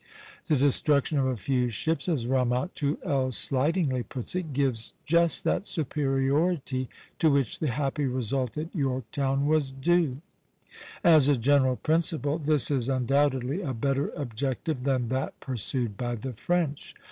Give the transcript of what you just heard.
The destruction of a few ships, as Ramatuelle slightingly puts it, gives just that superiority to which the happy result at Yorktown was due. As a general principle, this is undoubtedly a better objective than that pursued by the French.